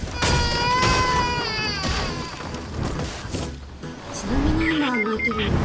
あっちなみに今泣いてるのは？